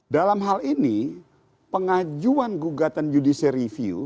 dalam hal ini pengajuan gugatan judicial review